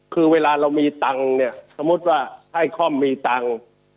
คือเวลาเรามีตังค์เนี่ยสมมุติว่าให้ค่อมมีตังค์